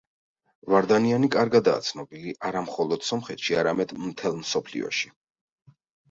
ვარდანიანი კარგადა ცნობილი არა მხოლოდ სომხეთში, არამედ მთელ მსოფლიოში.